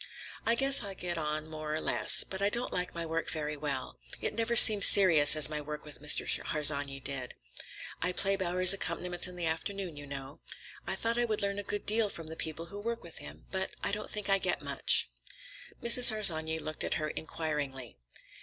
"I guess I get on more or less. But I don't like my work very well. It never seems serious as my work with Mr. Harsanyi did. I play Bowers's accompaniments in the afternoons, you know. I thought I would learn a good deal from the people who work with him, but I don't think I get much." Mrs. Harsanyi looked at her inquiringly.